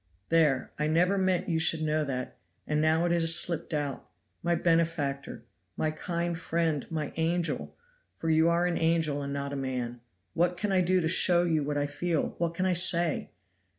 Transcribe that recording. There, I never meant you should know that, and now it has slipped out. My benefactor! my kind friend! my angel! for you are an angel and not a man. What can I do to show you what I feel? What can I say?